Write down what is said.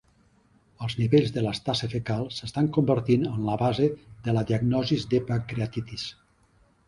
Els nivells d'elastasa fecal s'estan convertint en la base de la diagnosi de pancreatitis.